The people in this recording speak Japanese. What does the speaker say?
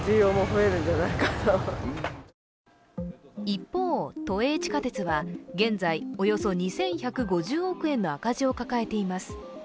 一方、都営地下鉄は現在、およそ２１５０億円の赤字を抱えています。